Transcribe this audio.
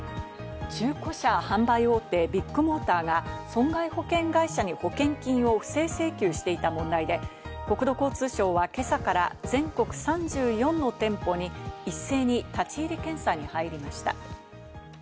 中古車販売大手・ビッグモーターが損害保険会社に保険金を不正請求していた問題で、国土交通省は今朝から全国３４の店舗に一斉に立ち入り検査に入りました。